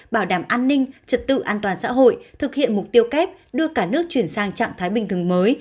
bảo đảm an ninh trật tự an toàn xã hội thực hiện mục tiêu kép đưa cả nước chuyển sang trạng thái bình thường mới